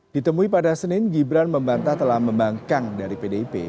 ditemui pada senin gibran membantah telah membangkang dari pdip